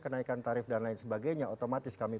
kenaikan tarif dan lain sebagainya otomatis kami